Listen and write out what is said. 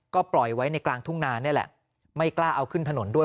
ก็ปล่อยไว้ในกลางทุ่งนานี่แหละไม่กล้าเอาขึ้นถนนด้วย